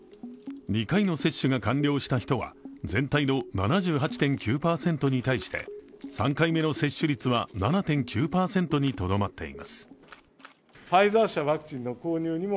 ２回の接種が完了した人は、全体の７８．９％に対して３回目の接種率は７．９％にとどまっています。